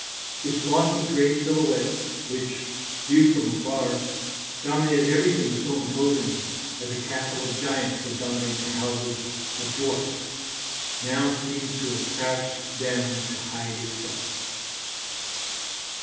Its lofty grey silhouette, which, viewed from afar, dominated everything so imposingly, as a castle of giants would dominate the houses of dwarfs, now seems to have crouched down to hide itself.